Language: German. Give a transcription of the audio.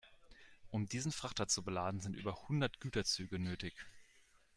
Um diesen Frachter zu beladen, sind über hundert Güterzüge nötig.